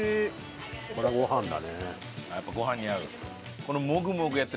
やっぱご飯に合う。